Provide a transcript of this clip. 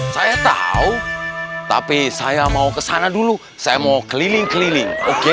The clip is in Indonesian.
saya tahu tapi saya mau kesana dulu saya mau keliling keliling